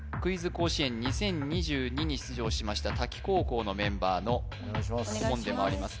甲子園２０２２に出場しました滝高校のメンバーの顧問でもあります